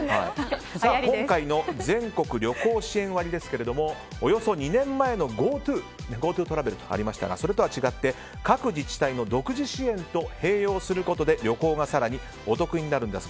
今回の全国旅行支援割ですけどもおよそ２年前ＧｏＴｏトラベルがありましたがそれとは違って各自治体の独自支援と併用することで旅行が更にお得になるんです。